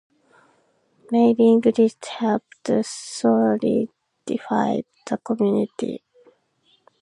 Mailing lists helped solidify the community.